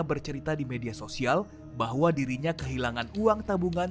bercerita di media sosial bahwa dirinya kehilangan uang tabungan